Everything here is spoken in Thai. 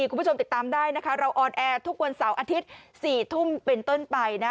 คุณผู้ชมติดตามได้นะคะเราออนแอร์ทุกวันเสาร์อาทิตย์๔ทุ่มเป็นต้นไปนะ